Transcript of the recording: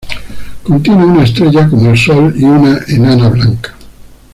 Contiene una estrella como el Sol y una enana blanca.